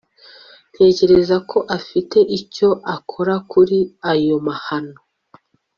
Ntekereza ko afite icyo akora kuri ayo mahano